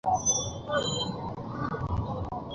আর এখন এই পাগলামি, কি হয়েছে তোমার মাইক?